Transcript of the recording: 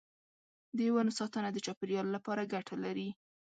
د ونو ساتنه د چاپیریال لپاره ګټه لري.